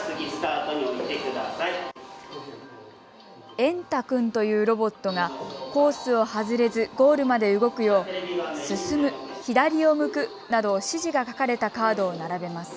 エンタくんというロボットがコースを外れずゴールまで動くよう進む、左を向くなど指示が書かれたカードを並べます。